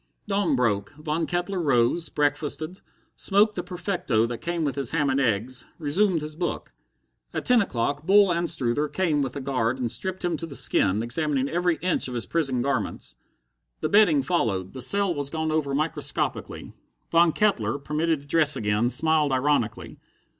Dawn broke. Von Kettler rose, breakfasted, smoked the perfecto that came with his ham and eggs, resumed his book. At ten o'clock Bull Anstruther came with a guard and stripped him to the skin, examining every inch of his prison garments. The bedding followed; the cell was gone over microscopically. Von Kettler, permitted to dress again, smiled ironically.